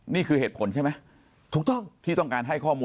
นี่คือเหตุผลใช่ไหม